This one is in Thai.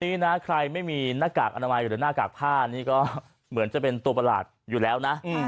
นี้นะใครไม่มีหน้ากากอนามัยหรือหน้ากากผ้านี่ก็เหมือนจะเป็นตัวประหลาดอยู่แล้วนะ